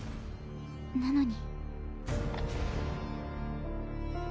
なのに。